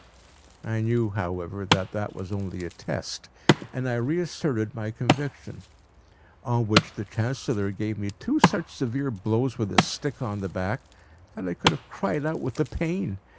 I knew, however, that that was only a test, and I reasserted my conviction; on which the Chancellor gave me two such severe blows with a stick on the back, that I could have cried out with the pain.